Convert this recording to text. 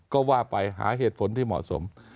ก็ว่าไปหาเหตุผลที่เหมาะสม